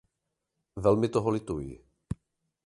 Velmi toho lituji.